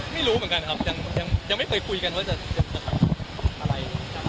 ไม่รู้เหมือนกันครับยังไม่เคยคุยกันว่าจะอะไร